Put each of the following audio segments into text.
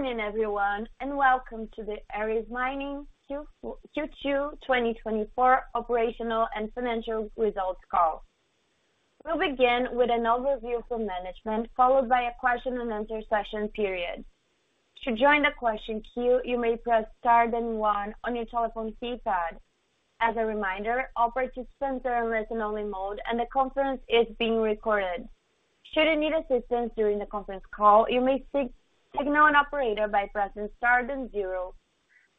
Good morning, everyone, and welcome to the Aris Mining Q2 2024 Operational and Financial Results Call. We'll begin with an overview from management, followed by a question and answer session period. To join the question queue, you may press star then one on your telephone keypad. As a reminder, all participants are in listen-only mode, and the conference is being recorded. Should you need assistance during the conference call, you may signal an operator by pressing star then zero.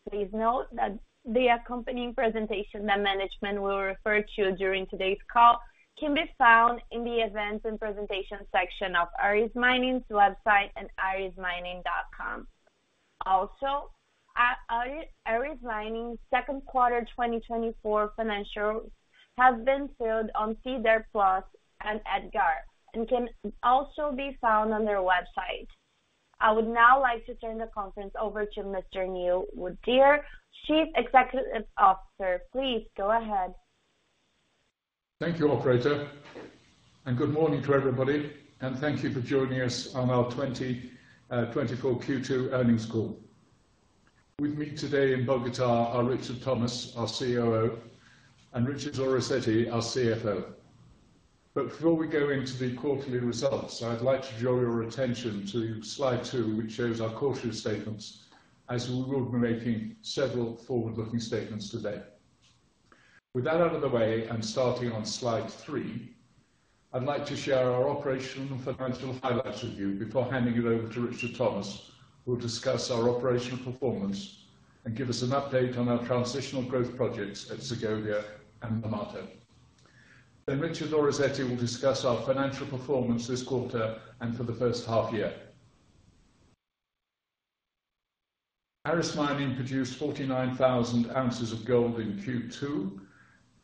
Please note that the accompanying presentation that management will refer to during today's call can be found in the Events and Presentations section of Aris Mining's website at arismining.com. Also, Aris Mining's second quarter 2024 financials have been filed on SEDAR+ and EDGAR, and can also be found on their website. I would now like to turn the conference over to Mr. Neil Woodyer, Chief Executive Officer. Please go ahead. Thank you, Operator, and good morning to everybody, and thank you for joining us on our 2024 Q2 earnings call. With me today in Bogotá are Richard Thomas, our COO, and Richard Orazietti, our CFO. But before we go into the quarterly results, I'd like to draw your attention to slide two, which shows our caution statements, as we will be making several forward-looking statements today. With that out of the way and starting on slide three, I'd like to share our operational and financial highlights with you before handing it over to Richard Thomas, who will discuss our operational performance and give us an update on our transitional growth projects at Segovia and Marmato. Then Richard Orazietti will discuss our financial performance this quarter and for the first half year. Aris Mining produced 49,000 ounces of gold in Q2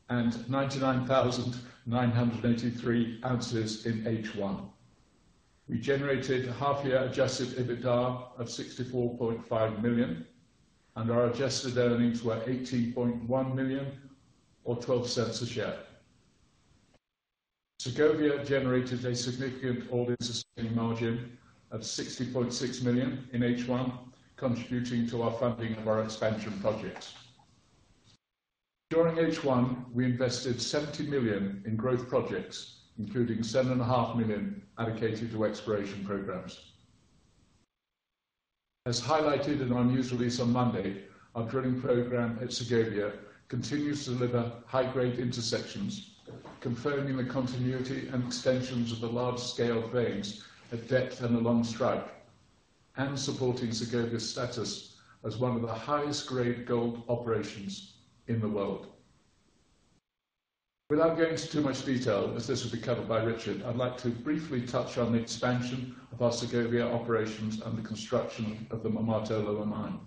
and 99,983 ounces in H1. We generated a half-year Adjusted EBITDA of $64.5 million, and our Adjusted Earnings were $18.1 million or $0.12 a share. Segovia generated a significant all-in sustaining margin of $60.6 million in H1, contributing to our funding of our expansion projects. During H1, we invested $70 million in growth projects, including $7.5 million allocated to exploration programs. As highlighted in our news release on Monday, our drilling program at Segovia continues to deliver high-grade intersections, confirming the continuity and extensions of the large-scale veins at depth and along strike, and supporting Segovia's status as one of the highest grade gold operations in the world. Without going into too much detail, as this will be covered by Richard, I'd like to briefly touch on the expansion of our Segovia operations and the construction of the Marmato Lower Mine.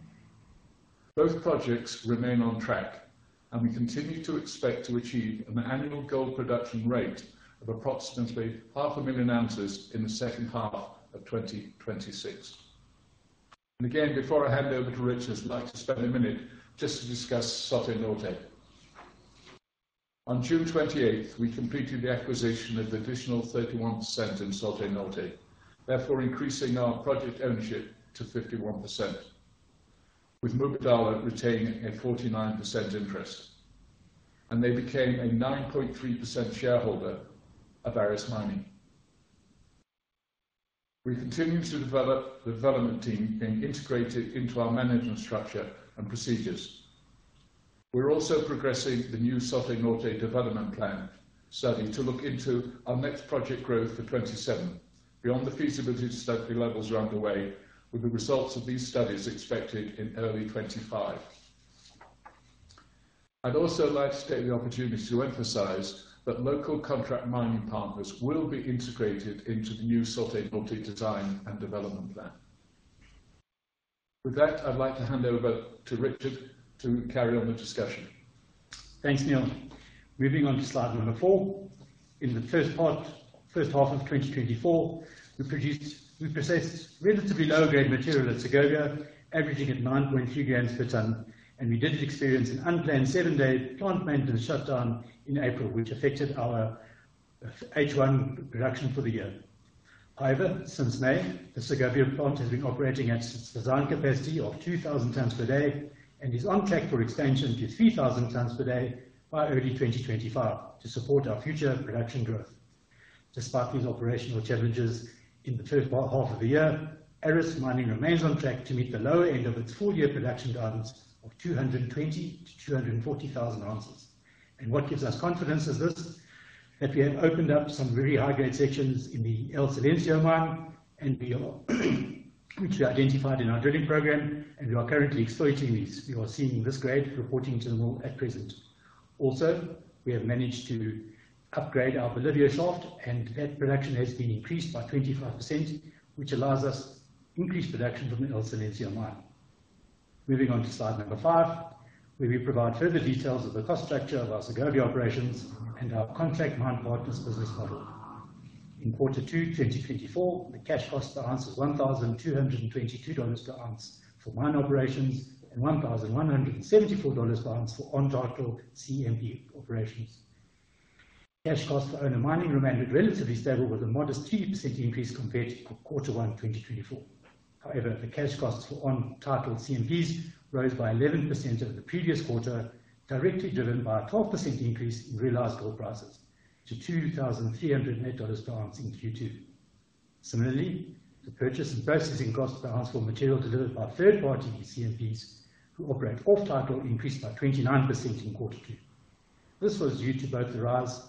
Both projects remain on track, and we continue to expect to achieve an annual gold production rate of approximately 500,000 ounces in the second half of 2026. And again, before I hand over to Richard, I'd like to spend a minute just to discuss Soto Norte. On June 28, we completed the acquisition of an additional 31% in Soto Norte, therefore increasing our project ownership to 51%, with Mubadala retaining a 49% interest, and they became a 9.3% shareholder of Aris Mining. We continue to develop the development team being integrated into our management structure and procedures. We're also progressing the new Soto Norte development plan, studying to look into our next project growth for 2027. Beyond the feasibility, study levels are underway, with the results of these studies expected in early 2025. I'd also like to take the opportunity to emphasize that local contract mining partners will be integrated into the new Soto Norte design and development plan. With that, I'd like to hand over to Richard to carry on the discussion. Thanks, Neil. Moving on to slide number four. In the first part, first half of 2024, we produced, we processed relatively low-grade material at Segovia, averaging at 9.3 grams per ton, and we did experience an unplanned 7-day plant maintenance shutdown in April, which affected our H1 production for the year. However, since May, the Segovia plant has been operating at its design capacity of 2,000 tons per day and is on track for expansion to 3,000 tons per day by early 2025 to support our future production growth. Despite these operational challenges in the first half of the year, Aris Mining remains on track to meet the lower end of its full-year production guidance of 220,000-240,000 ounces. And what gives us confidence is this, that we have opened up some very high-grade sections in the El Silencio Mine, and we are- which we identified in our drilling program, and we are currently exploiting these. We are seeing this grade reporting to the mill at present. Also, we have managed to upgrade our Bolívar Shaft, and that production has been increased by 25%, which allows us increased production from the El Silencio Mine. Moving on to slide number five, where we provide further details of the cost structure of our Segovia Operations and our contract mining partners business model. In Q2 2024, the cash cost per ounce was $1,222 per ounce for mine operations and $1,174 per ounce for on-title CMP operations. Cash costs for owner mining remained relatively stable with a modest 2% increase compared to Q1 2024. However, the cash costs for on-title CMPs rose by 11% over the previous quarter, directly driven by a 12% increase in realized gold prices to $2,300 net per ounce in Q2. Similarly, the purchase and processing cost per ounce for material delivered by third-party CMPs who operate off-title increased by 29% in Q2. This was due to both the rise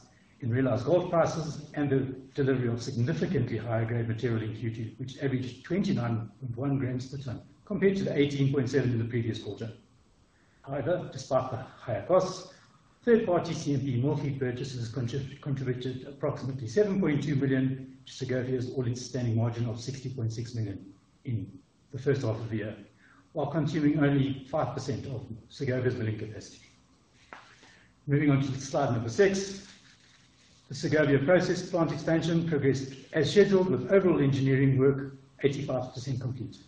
in realized gold prices and the delivery of significantly higher-grade material in Q2, which averaged 29.1 grams per ton, compared to the 18.7 in the previous quarter. However, despite the higher costs, third-party CMP mill feed purchases contributed approximately $7.2 million to Segovia's all-in sustaining margin of $60.6 million in the first half of the year, while consuming only 5% of Segovia's milling capacity. Moving on to slide six. The Segovia process plant expansion progressed as scheduled, with overall engineering work 85% complete.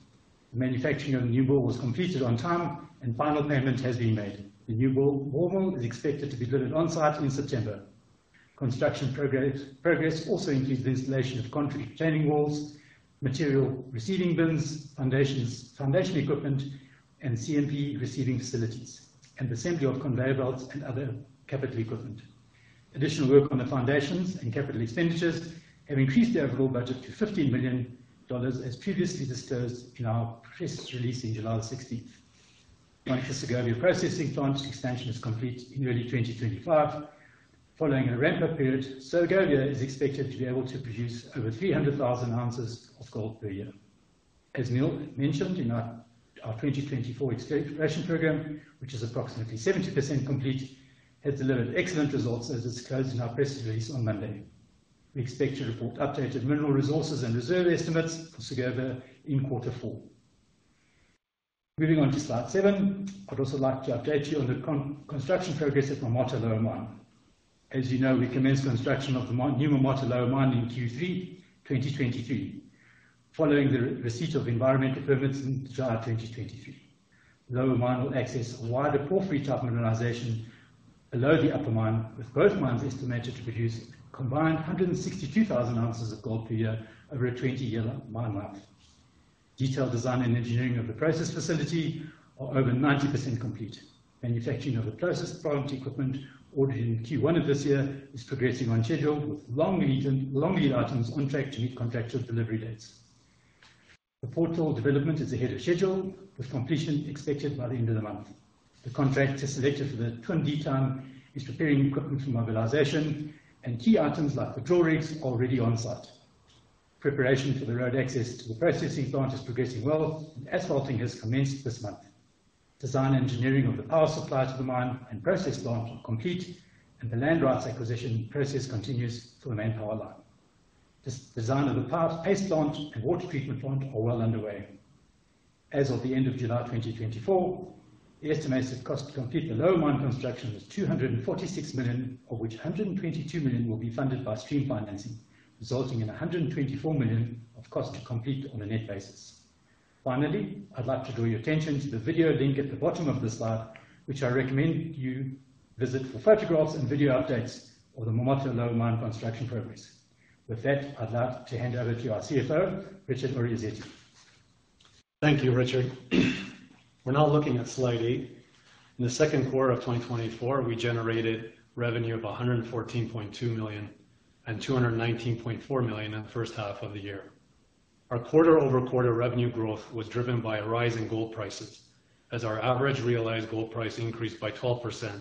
The manufacturing of the new mill was completed on time, and final payment has been made. The new mill overhaul is expected to be delivered on site in September. Construction progress also includes the installation of concrete training walls, material receiving bins, foundations, foundation equipment, and CMP receiving facilities, and assembly of conveyor belts and other capital equipment. Additional work on the foundations and capital expenditures have increased the overall budget to $15 million, as previously disclosed in our press release on July 16. Once the Segovia processing plant expansion is complete in early 2025, following a ramp-up period, Segovia is expected to be able to produce over 300,000 ounces of gold per year. As Neil mentioned, in our 2024 exploration program, which is approximately 70% complete, has delivered excellent results, as disclosed in our press release on Monday. We expect to report updated mineral resources and reserve estimates for Segovia in quarter four. Moving on to slide seven. I'd also like to update you on the construction progress at the Marmato Lower Mine. As you know, we commenced construction of the new Marmato Lower Mine in Q3 2023, following the receipt of environmental permits in July 2023. Lower Mine will access a wider porphyry-type mineralization below the Upper Mine, with both mines estimated to produce a combined 162,000 ounces of gold per year over a 20-year mine life. Detailed design and engineering of the process facility are over 90% complete. Manufacturing of the process plant equipment ordered in Q1 of this year is progressing on schedule, with long lead items on track to meet contracted delivery dates. The portal development is ahead of schedule, with completion expected by the end of the month. The contractor selected for the twin decline is preparing equipment for mobilization, and key items like the drill rigs are already on site. Preparation for the road access to the processing plant is progressing well, and asphalting has commenced this month. Design and engineering of the power supply to the mine and process plant are complete, and the land rights acquisition process continues for the main power line. This design of the plant, paste plant, and water treatment plant are well underway. As of the end of July 2024, the estimated cost to complete the Lower Mine construction was $246 million, of which $122 million will be funded by stream financing, resulting in $124 million of cost to complete on a net basis. Finally, I'd like to draw your attention to the video link at the bottom of the slide, which I recommend you visit for photographs and video updates of the Marmato Lower Mine construction progress. With that, I'd like to hand over to our CFO, Richard Orazietti. Thank you, Richard. We're now looking at slide eight. In the second quarter of 2024, we generated revenue of $114.2 million and $219.4 million in the first half of the year. Our quarter-over-quarter revenue growth was driven by a rise in gold prices, as our average realized gold price increased by 12%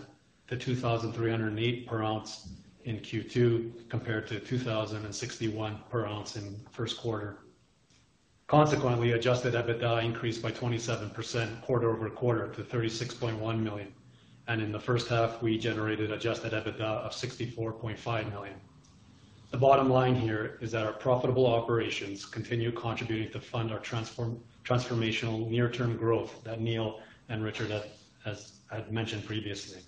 to $2,308 per ounce in Q2, compared to $2,061 per ounce in the first quarter. Consequently, adjusted EBITDA increased by 27% quarter over quarter to $36.1 million, and in the first half, we generated adjusted EBITDA of $64.5 million. The bottom line here is that our profitable operations continue contributing to fund our transformational near-term growth that Neil and Richard had mentioned previously.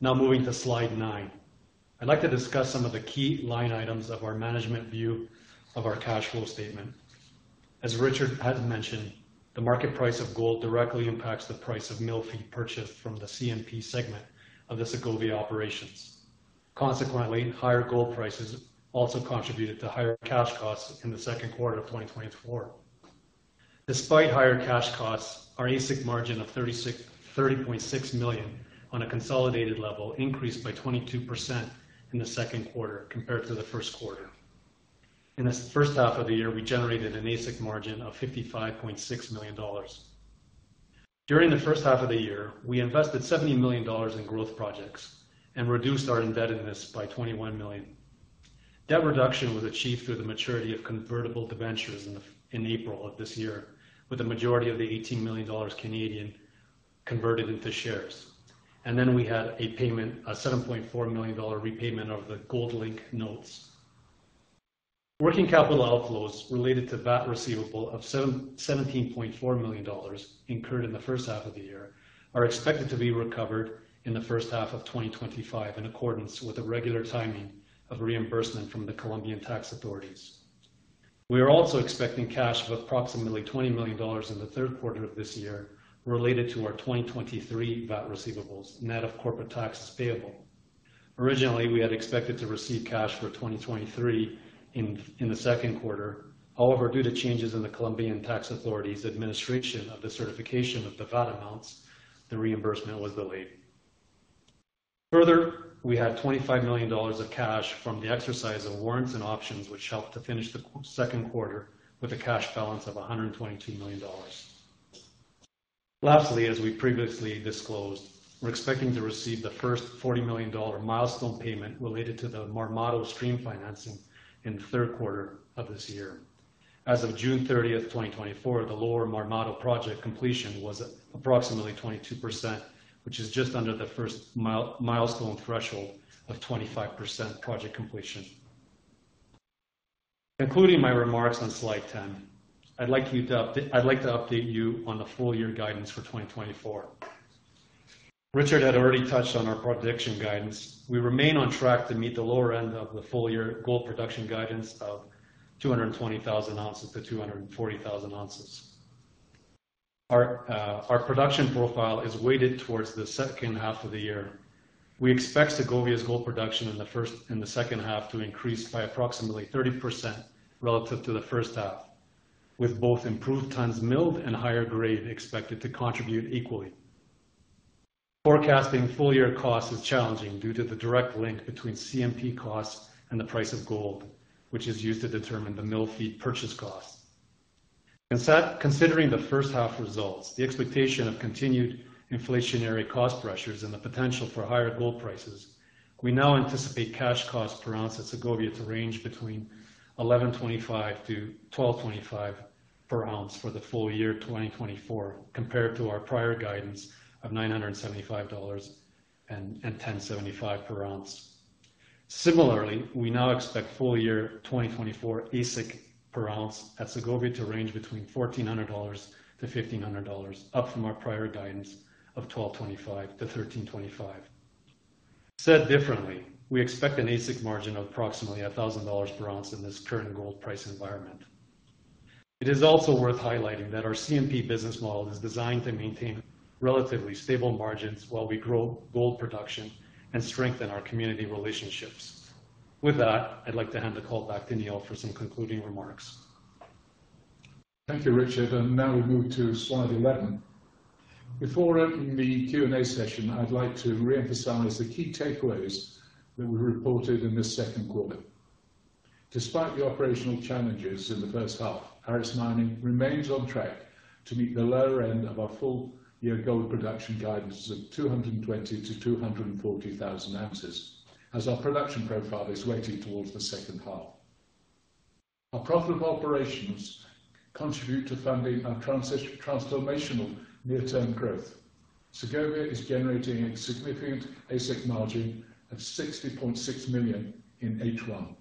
Now, moving to slide nine. I'd like to discuss some of the key line items of our management view of our cash flow statement. As Richard had mentioned, the market price of gold directly impacts the price of mill feed purchased from the CMP segment of the Segovia Operations. Consequently, higher gold prices also contributed to higher cash costs in the second quarter of 2024. Despite higher cash costs, our AISC margin of $30.6 million on a consolidated level increased by 22% in the second quarter compared to the first quarter. In the first half of the year, we generated an AISC margin of $55.6 million. During the first half of the year, we invested $70 million in growth projects and reduced our indebtedness by $21 million. Debt reduction was achieved through the maturity of convertible debentures in April of this year, with the majority of the 18 million Canadian dollars converted into shares. And then we had a payment, a 7.4 million dollar repayment of the Gold X Notes. Working capital outflows related to VAT receivable of 17.4 million dollars incurred in the first half of the year, are expected to be recovered in the first half of 2025, in accordance with the regular timing of reimbursement from the Colombian tax authorities. We are also expecting cash of approximately 20 million dollars in the third quarter of this year related to our 2023 VAT receivables, net of corporate taxes payable. Originally, we had expected to receive cash for 2023 in the second quarter. However, due to changes in the Colombian tax authority's administration of the certification of the VAT amounts, the reimbursement was delayed. Further, we had $25 million of cash from the exercise of warrants and options, which helped to finish the second quarter with a cash balance of $122 million. Lastly, as we previously disclosed, we're expecting to receive the first $40 million milestone payment related to the Marmato stream financing in the third quarter of this year. As of June 30th, 2024, the Lower Marmato Project completion was at approximately 22%, which is just under the first milestone threshold of 25% project completion. Concluding my remarks on slide 10, I'd like to update you on the full year guidance for 2024. Richard had already touched on our production guidance. We remain on track to meet the lower end of the full year gold production guidance of 220,000-240,000 ounces. Our, our production profile is weighted towards the second half of the year. We expect Segovia's gold production in the first and the second half to increase by approximately 30% relative to the first half, with both improved tons milled and higher grade expected to contribute equally. Forecasting full year costs is challenging due to the direct link between CMP costs and the price of gold, which is used to determine the mill feed purchase costs. Considering the first half results, the expectation of continued inflationary cost pressures and the potential for higher gold prices, we now anticipate cash costs per ounce at Segovia to range between $1,125-$1,225 per ounce for the full year 2024, compared to our prior guidance of $975-$1,075 per ounce. Similarly, we now expect full year 2024 AISC per ounce at Segovia to range between $1,400-$1,500, up from our prior guidance of $1,225-$1,325. Said differently, we expect an AISC margin of approximately $1,000 per ounce in this current gold price environment. It is also worth highlighting that our CMP business model is designed to maintain relatively stable margins while we grow gold production and strengthen our community relationships. With that, I'd like to hand the call back to Neil for some concluding remarks. Thank you, Richard. Now we move to slide 11. Before opening the Q&A session, I'd like to reemphasize the key takeaways that we reported in this second quarter. Despite the operational challenges in the first half, Aris Mining remains on track to meet the lower end of our full-year gold production guidance of 220,000-240,000 ounces, as our production profile is weighted towards the second half. Our profitable operations contribute to funding our transformational near-term growth. Segovia is generating a significant AISC margin of $60.6 million in H1.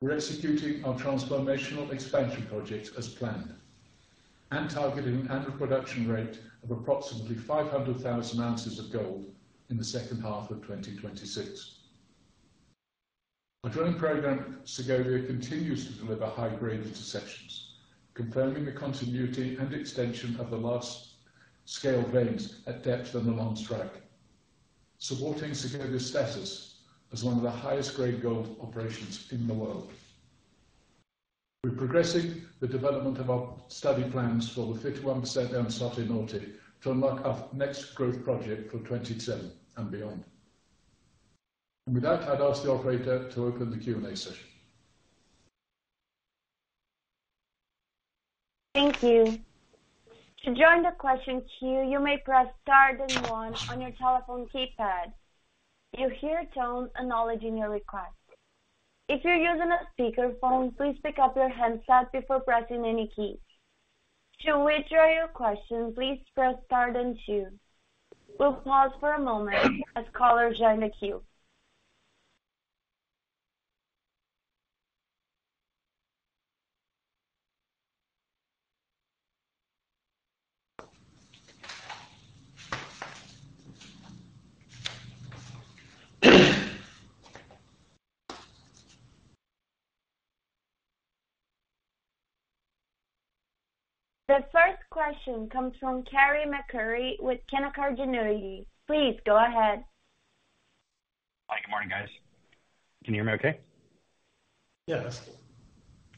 We're executing our transformational expansion project as planned and targeting annual production rate of approximately 500,000 ounces of gold in the second half of 2026. Our drilling program at Segovia continues to deliver high-grade intersections, confirming the continuity and extension of the large scale veins at depth and along strike, supporting Segovia's status as one of the highest grade gold operations in the world. We're progressing the development of our study plans for the 51% owned Soto Norte to unlock our next growth project for 2027 and beyond. And with that, I'd ask the operator to open the Q&A session. Thank you. To join the question queue, you may press star then one on your telephone keypad. You'll hear a tone acknowledging your request. If you're using a speakerphone, please pick up your handset before pressing any keys. To withdraw your question, please press star then two. We'll pause for a moment as callers join the queue. The first question comes from Carey MacRury with Canaccord Genuity. Please go ahead. Hi, good morning, guys. Can you hear me okay? Yes.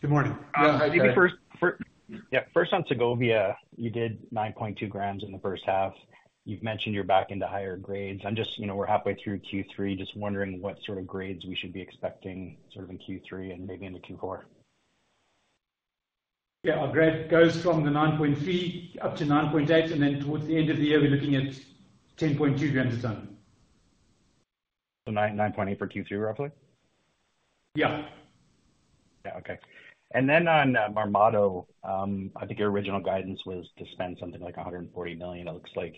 Good morning. Yeah. Maybe first, yeah, first on Segovia, you did 9.2 grams in the first half. You've mentioned you're back into higher grades. I'm just, you know, we're halfway through Q3, just wondering what sort of grades we should be expecting sort of in Q3 and maybe into Q4. Yeah, our grade goes from the 9.3-9.8, and then towards the end of the year, we're looking at 10.2 grams a ton. 9, 9.8 for Q3, roughly? Yeah. Yeah. Okay. And then on Marmato, I think your original guidance was to spend something like $140 million. It looks like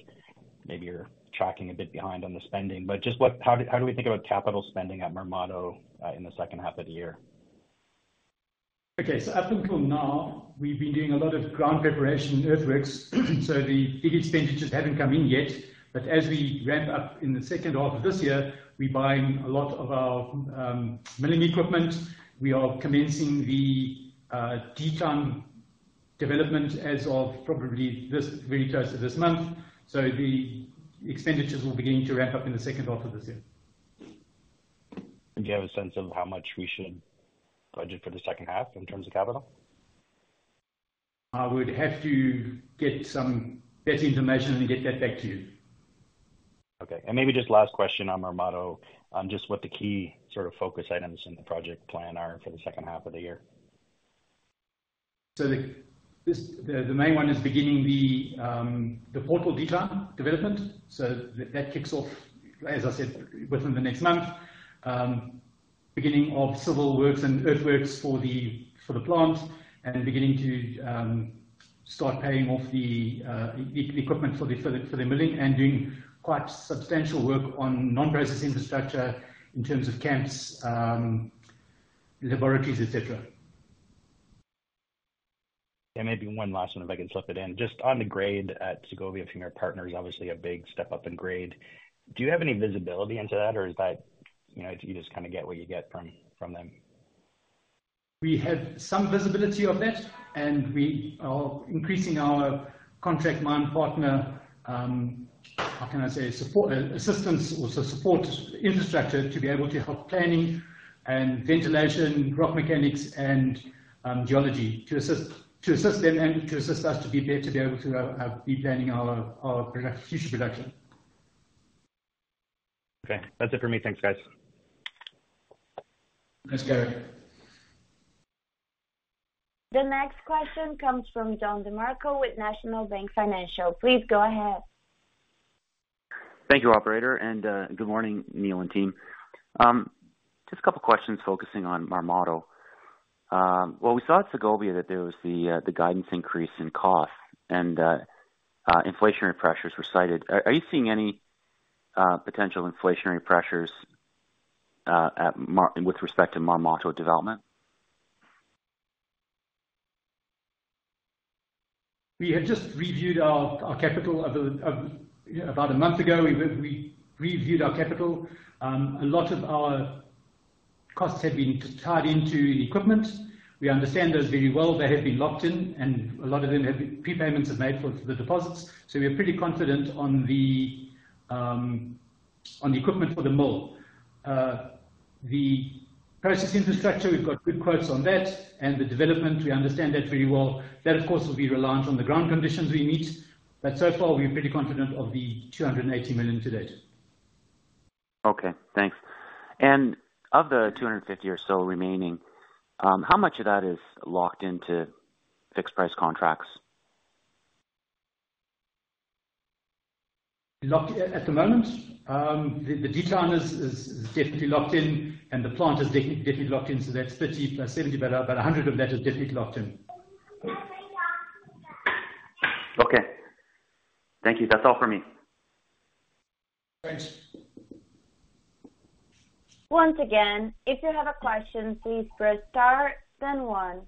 maybe you're tracking a bit behind on the spending, but just what- how, how do we think about capital spending at Marmato in the second half of the year? Okay. So up until now, we've been doing a lot of ground preparation and earthworks, so the big expenditures haven't come in yet. But as we ramp up in the second half of this year, we're buying a lot of our milling equipment. We are commencing the detail-... development as of probably this, very close to this month, so the expenditures will begin to ramp up in the second half of this year. Do you have a sense of how much we should budget for the second half in terms of capital? I would have to get some better information and get that back to you. Okay. And maybe just last question on Marmato, on just what the key sort of focus items in the project plan are for the second half of the year. So the main one is beginning the portal decline development. So that kicks off, as I said, within the next month. Beginning of civil works and earthworks for the plant and beginning to start paying off the equipment for the milling and doing quite substantial work on non-process infrastructure in terms of camps, laboratories, et cetera. Maybe one last one, if I can slip it in. Just on the grade at Segovia from your partner, is obviously a big step up in grade. Do you have any visibility into that, or is that, you know, you just kinda get what you get from, from them? We have some visibility of that, and we are increasing our contract mining partner support, assistance or support infrastructure to be able to help planning and ventilation, rock mechanics and geology to assist them and to assist us to be there, to be able to be planning our production, future production. Okay, that's it for me. Thanks, guys. Thanks, Carey. The next question comes from Don DeMarco with National Bank Financial. Please go ahead. Thank you, operator, and good morning, Neil and team. Just a couple questions focusing on Marmato. Well, we saw at Segovia that there was the guidance increase in costs and inflationary pressures were cited. Are you seeing any potential inflationary pressures at Marmato with respect to Marmato development? We have just reviewed our, our capital of the. About a month ago, we reviewed our capital. A lot of our costs had been tied into equipment. We understand those very well. They have been locked in, and a lot of them have prepayments are made for the deposits, so we are pretty confident on the, on the equipment for the mill. The process infrastructure, we've got good quotes on that and the development, we understand that very well. That, of course, will be reliant on the ground conditions we meet, but so far, we're pretty confident of the $280 million to date. Okay, thanks. And of the 250 or so remaining, how much of that is locked into fixed price contracts? Locked at the moment, the detail is definitely locked in, and the plant is definitely locked in, so that's $30, $70, but about $100 of that is definitely locked in. Okay. Thank you. That's all for me. Thanks. Once again, if you have a question, please press star then One.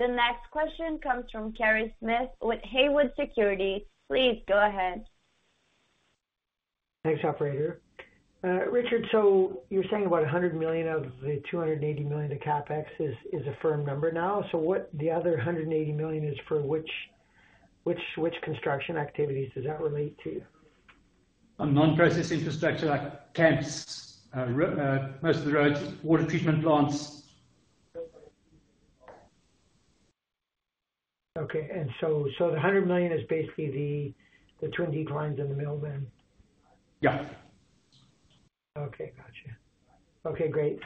The next question comes from Kerry Smith with Haywood Securities. Please go ahead. Thanks, operator. Richard, so you're saying about $100 million of the $280 million of CapEx is a firm number now. So what the other $180 million is for, which construction activities does that relate to? On non-process infrastructure like camps, most of the roads, water treatment plants. Okay. So, the $100 million is basically the twin declines in the mill then? Yeah. Okay, gotcha. Okay, great.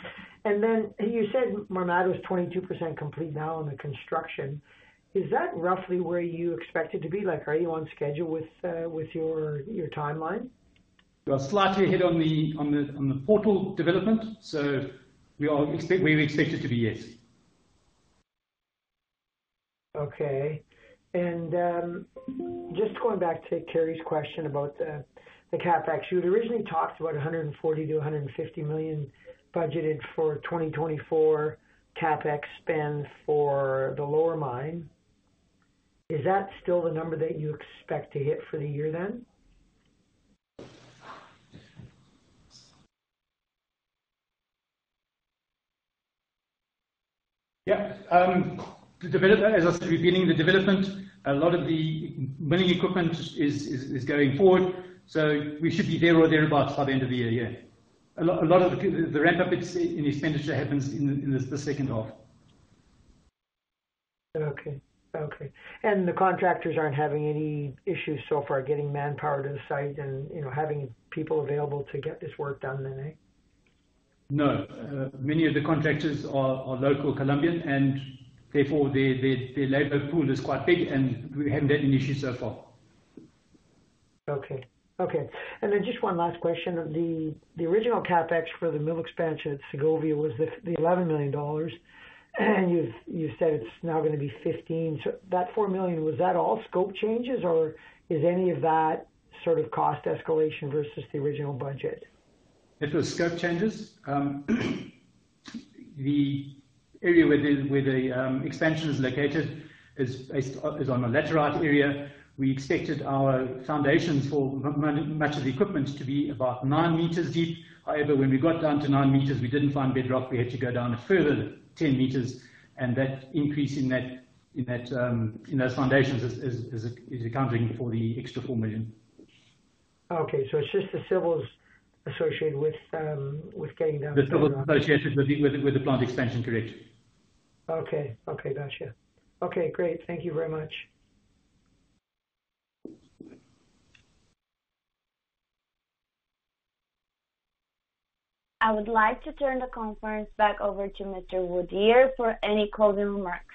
And then you said Marmato is 22% complete now on the construction. Is that roughly where you expect it to be? Like, are you on schedule with your timeline? We are slightly ahead on the portal development, so we are where we expect it to be, yes. Okay. Just going back to Kerry's question about the CapEx, you had originally talked about $140 million-$150 million budgeted for 2024 CapEx spend for the Lower Mine. Is that still the number that you expect to hit for the year then? Yeah. As I said, we're beginning the development. A lot of the mining equipment is going forward, so we should be there or thereabouts by the end of the year, yeah. A lot of the ramp-up in expenditure happens in the second half. Okay. Okay. And the contractors aren't having any issues so far, getting manpower to the site and, you know, having people available to get this work done then, eh? No. Many of the contractors are local Colombian, and therefore, their labor pool is quite big, and we haven't had any issues so far. Okay. Okay, and then just one last question. The original CapEx for the mill expansion at Segovia was the $11 million, and you've you said it's now gonna be $15 million. So that $4 million, was that all scope changes, or is any of that sort of cost escalation versus the original budget? It was scope changes. The area where the expansion is located is based on a laterite area. We expected our foundations for much of the equipment to be about nine meters deep. However, when we got down to nine meters, we didn't find bedrock. We had to go down a further 10 meters, and that increase in that, in those foundations is accounting for the extra $4 million. Okay, so it's just the civils associated with, with getting down to the- The civils associated with the plant expansion. Correct. Okay. Okay, gotcha. Okay, great. Thank you very much. I would like to turn the conference back over to Mr. Woodyer for any closing remarks.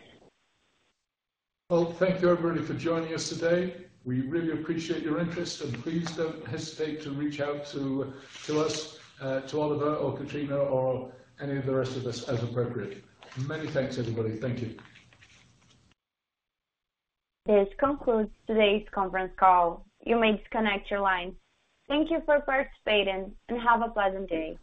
Well, thank you, everybody, for joining us today. We really appreciate your interest, and please don't hesitate to reach out to us, to Oliver or Kettina or any of the rest of us as appropriate. Many thanks, everybody. Thank you. This concludes today's conference call. You may disconnect your lines. Thank you for participating, and have a pleasant day.